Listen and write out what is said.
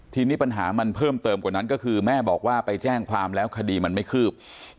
ทีนี้ปัญหามันเพิ่มเติมกว่านั้นก็คือแม่บอกว่าไปแจ้งความแล้วคดีมันไม่คืบ